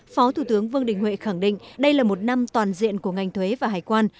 phó thủ tướng vương đình huệ khẳng định đây là một năm toàn diện của ngành thuế và hải quan